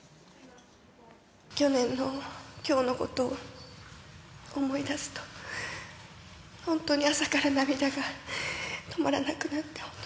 去年のきょうのことを思い出すと、本当に朝から涙が止まらなくなって。